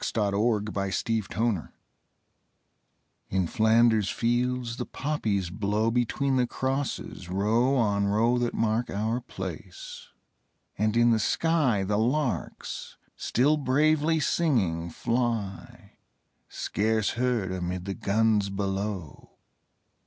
L.} IN FLANDERS FIELDS In Flanders fields the poppies grow Between the crosses, row on row That mark our place: and in the sky The larks still bravely singing, fly Scarce heard amid the guns below.